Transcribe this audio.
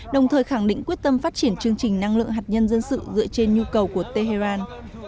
đồng thời khẳng định quyết tâm phát triển chương trình năng lượng hạt nhân dân sự dựa trên nhu cầu của tehran